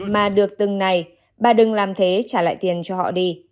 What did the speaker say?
năm mươi mà được từng này bà đừng làm thế trả lại tiền cho họ đi